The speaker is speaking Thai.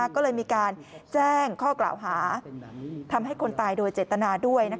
ก็เลยมีการแจ้งข้อกล่าวหาทำให้คนตายโดยเจตนาด้วย